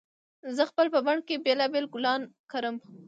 زه خپل په بڼ کې بېلابېل ګلان کرم